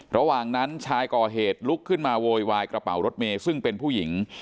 ระหว่างนั้นชายก่อเหตุลุกขึ้นมาโวยวายกระเป๋ารถเมย์ซึ่งเป็นผู้หญิง